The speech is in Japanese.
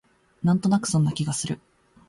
なんとなくそんな気がする